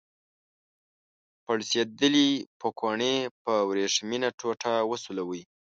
پړسیدلې پوکڼۍ په وریښمینه ټوټه وسولوئ.